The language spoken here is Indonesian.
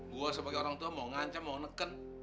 gue sebagai orang tua mau ngancam mau neken